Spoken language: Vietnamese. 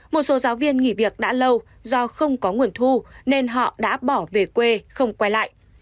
một số giáo viên nghỉ việc đã lâu do không có nguồn thu nên họ đã bỏ về quê không quay lại